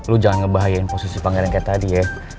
lu jangan ngebahayain posisi pangeran kayak tadi ya